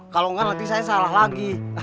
kalau enggak nanti saya salah lagi